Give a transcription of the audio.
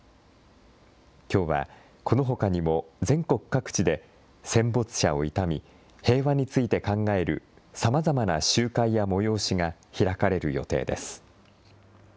きょうはこのほかにも全国各地で戦没者を悼み平和について考えるさまざまな集会や催しが開かれる予定です。